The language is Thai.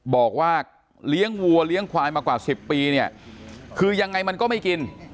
บอกว่าเลี้ยงวัวเลี้ยงควายมากว่า๑๐ปีเนี่ยคือยังไงมันก็ไม่กิน